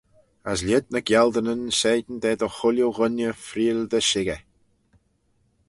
As lhied ny gialdynyn shegin da dy chooilley wooinney freayll dy shickyr.